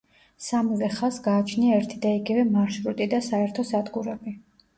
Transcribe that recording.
სამივე ხაზს გააჩნია ერთიდაიგივე მარშრუტი და საერთო სადგურები.